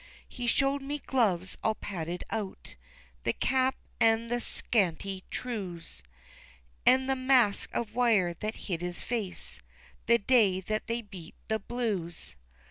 He showed me gloves all padded out, The cap an' the scanty trews, An' the mask of wire that hid his face, The day that they beat the Blues.